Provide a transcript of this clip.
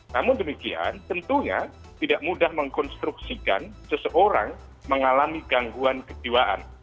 namun demikian tentunya tidak mudah mengkonstruksikan seseorang mengalami gangguan kejiwaan